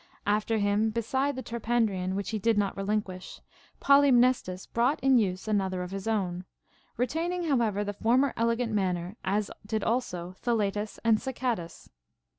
After him, beside the Terpandrian, which he did not relinquish, Polymnestus brought in use another of his own, retaining however the former elegant manner, as did also Thaletas and Sacadas.